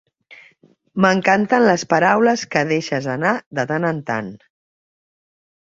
M'encanten les paraules que deixes anar de tant en tant.